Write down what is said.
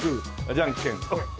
じゃんけんホイ！